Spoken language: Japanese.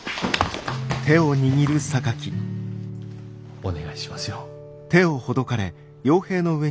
お願いしますよ。